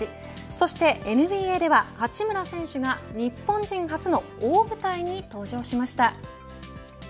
そしてＮＢＡでは八村選手が日本人初の大舞台に登場しました。